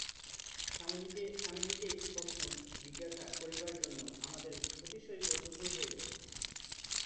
স্বামীজীকে একটি প্রশ্ন জিজ্ঞাসা করিবার জন্য আমাদের অতিশয় কৌতূহল হইল।